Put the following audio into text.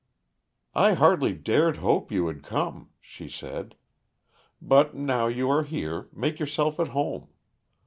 "I hardly dared hope you would come," she said. "But now you are here, make yourself at home.